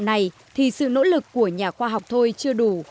lãnh đạo này thì sự nỗ lực của nhà khoa học thôi chưa đủ